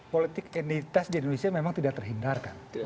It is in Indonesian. politik identitas di indonesia memang tidak terhindarkan